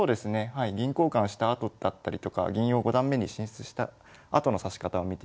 銀交換したあとだったりとか銀を五段目に進出したあとの指し方を見ていきたいと思います。